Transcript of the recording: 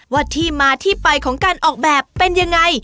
ว่าที่มาที่ไปของการออกแบบเป็นยังไง